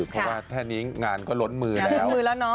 เพราะว่าท่านนี้งานก็ลดมือแล้ว